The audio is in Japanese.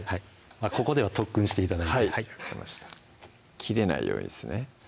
ここでは特訓して頂いて切れないようにですね